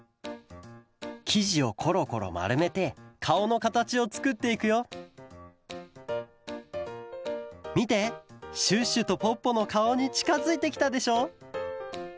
きじをコロコロまるめてかおのかたちをつくっていくよみてシュッシュとポッポのかおにちかづいてきたでしょ？